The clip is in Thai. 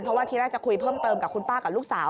เพราะว่าทีแรกจะคุยเพิ่มเติมกับคุณป้ากับลูกสาว